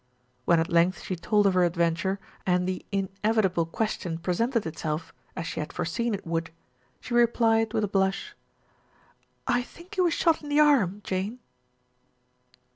When at length she told of her adventure and the inevitable question presented itself, as she had fore seen it would, she replied with a blush, "I think he was shot in the arm, Jane.'